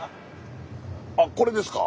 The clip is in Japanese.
あっこれですか？